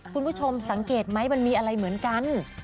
คุณผู้ชมสังเกตไหมมันมีอะไรเหมือนกัน